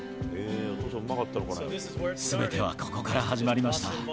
すべてはここから始まりました。